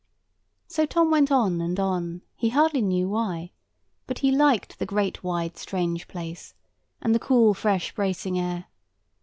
So Tom went on and on, he hardly knew why; but he liked the great wide strange place, and the cool fresh bracing air.